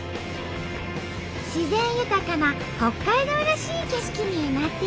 自然豊かな北海道らしい景色になってきたね！